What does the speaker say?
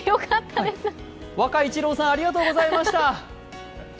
ワカ一郎さん、ありがとうございました。